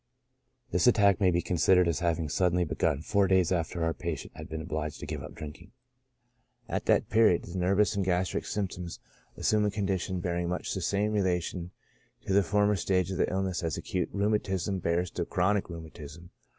— This attack may be considered as having suddenly begun four days after our patient had been obliged to give up drink ing. At that period, the nervous and gastric symptoms as sumed a condition bearing much the same relation to the former stage of the illness as acute rheumatism bears to chronic rheumatism.